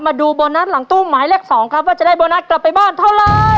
มาดูโบนัสหลังตู้หมายเลข๒ครับว่าจะได้โบนัสกลับไปบ้านเท่าไร